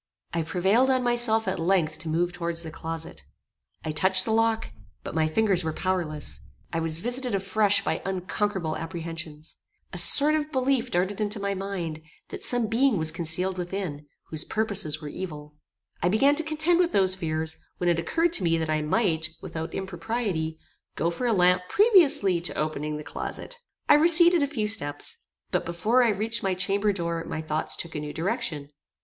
I prevailed on myself at length to move towards the closet. I touched the lock, but my fingers were powerless; I was visited afresh by unconquerable apprehensions. A sort of belief darted into my mind, that some being was concealed within, whose purposes were evil. I began to contend with those fears, when it occurred to me that I might, without impropriety, go for a lamp previously to opening the closet. I receded a few steps; but before I reached my chamber door my thoughts took a new direction.